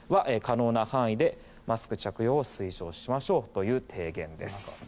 可能な範囲でマスク着用を推奨しましょうという提言です。